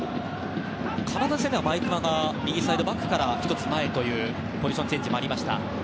カナダ戦では毎熊が右サイドバックから１つ前というポジションチェンジもありました。